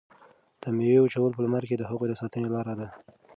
د میوو وچول په لمر کې د هغوی د ساتنې لاره ده.